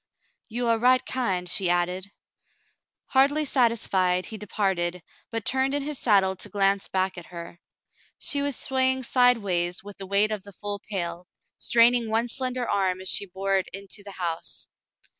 "You are right kind," she added. Hardly satisfied, he departed, but turned in his saddle to glance back at her. She was swaying sidewise with the weight of the full pail, straining one slender arm as she bore it into the house.